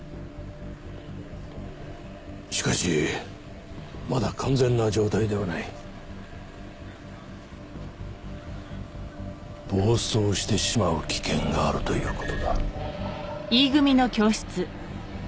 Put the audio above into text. しかしまだ完全な状態ではない暴走してしまう危険があるということだ